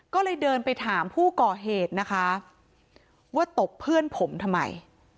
ก็เลยเดินไปถามผู้ก่อเหตุนะคะว่าตบเพื่อนผมทำไม